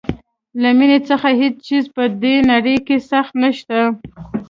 له مینې څخه هیڅ څیز په دې نړۍ کې سخت نشته.